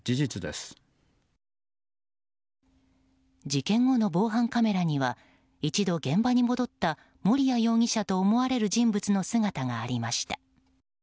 事件後の防犯カメラには一度、現場に戻った森谷容疑者と思われる人物の姿がありました。